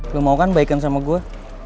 lo mau kan baikan sama gue